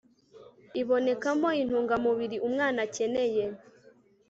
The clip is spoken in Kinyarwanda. ibonekamo intungamubiri umwana akeneye